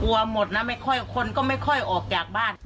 กลัวหมดนะคนก็ไม่ค่อยออกจากบ้าน